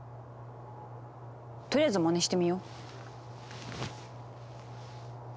とりあえずまねしてみよう。